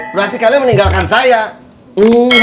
berarti kalian meninggalkan saya